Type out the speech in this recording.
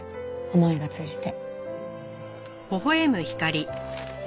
思いが通じて。